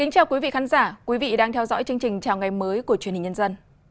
chào mừng quý vị đến với bộ phim hãy nhớ like share và đăng ký kênh của chúng mình nhé